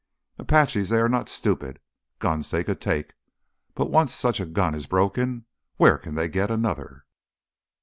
"Apaches, they are not stupid. Guns they could take. But once such a gun is broken, where can they get another?